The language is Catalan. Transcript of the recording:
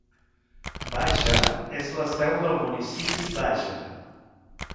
Baja és la seu del municipi Baja.